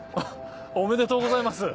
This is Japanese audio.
おめでとうございます！